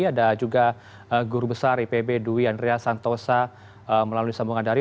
ada juga guru besar ipb dwi andrea santosa melalui sambungan dari